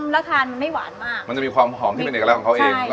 แล้วทานมันไม่หวานมากมันจะมีความหอมที่เป็นเอกลักษณ์ของเขาเอง